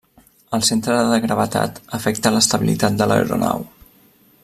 El centre de gravetat afecta l'estabilitat de l'aeronau.